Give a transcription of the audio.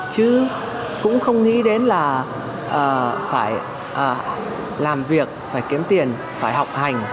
chứ cũng không nghĩ đến là phải làm việc phải kiếm tiền phải học hành